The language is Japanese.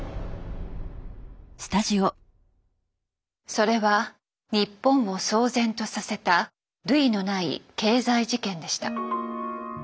それは日本を騒然とさせた類のない経済事件でした。